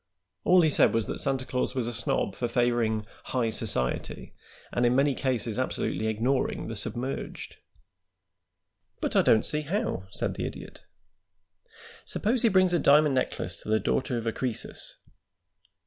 All he said was that Santa Claus was a snob for favoring 'high society' and in many cases absolutely ignoring the submerged." "But I don't see how," said the Idiot. "Suppose he brings a diamond necklace to the daughter of a Croesus?"